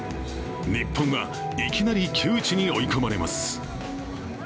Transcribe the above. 日本がいきなり窮地に追い込まれます。